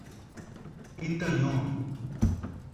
Itanhomi